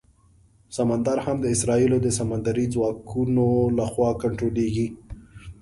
سمندر هم د اسرائیلو د سمندري ځواکونو لخوا کنټرولېږي.